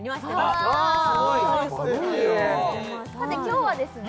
・すごいさて今日はですね